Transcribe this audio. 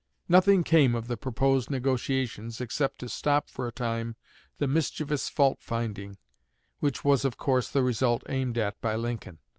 Nothing came of the proposed negotiations, except to stop for a time the mischievous fault finding; which was, of course, the result aimed at by Lincoln.